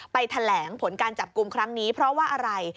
แถลงผลการจับกลุ่มครั้งนี้เพราะว่าอะไร